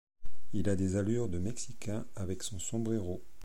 Il a des allures de Mexicain avec son sombrero.